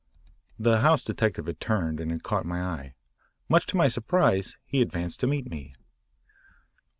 The house detective had turned and had caught my eye. Much to my surprise, he advanced to meet me.